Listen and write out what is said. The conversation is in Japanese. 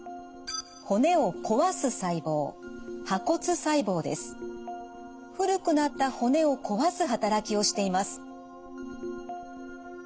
骨を壊す細胞古くなった骨を壊す働きをしています。